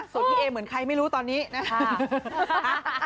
ส่วนพี่เอเหมือนใครไม่รู้ตอนนี้นะคะ